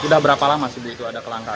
sudah berapa lama sebelum itu ada kelangkahan